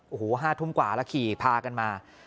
โอ้โห๕ทุ่มกว่าแล้วขี่พากันมา